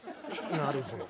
なるほど。